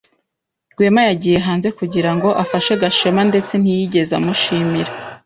Rwema yagiye hanze kugira ngo afashe Gashema ndetse ntiyigeze amushimira.